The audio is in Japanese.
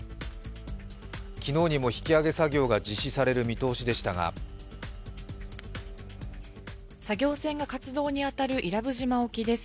昨日にも引き揚げ作業が実施される見通しでしたが作業船が活動に当たる伊良部島沖です。